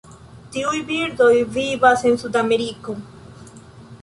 Tiuj birdoj vivas en Sudameriko.